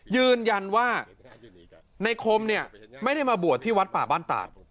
ยืนยันว่าในคมเนี่ยไม่ได้มาบวชที่วัดป่าบ้านตาด